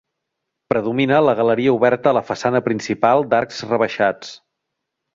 Predomina la galeria oberta a la façana principal d'arcs rebaixats.